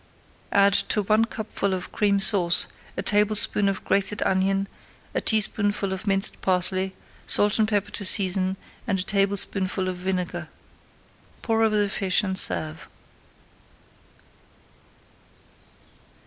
Add to one cupful of Cream Sauce a tablespoonful of grated onion, a teaspoonful of minced parsley, salt and pepper to season, and a tablespoonful of vinegar. Pour over the fish and serve.